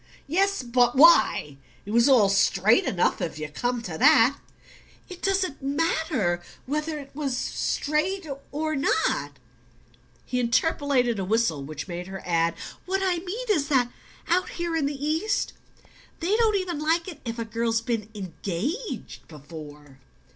"Yes; but WHY? It was all straight enough, if you come to that." "It doesn't matter ... whether it was straight ... or ... not ..." He interpolated a whistle which made her add: "What I mean is that out here in the East they don't even like it if a girl's been ENGAGED before."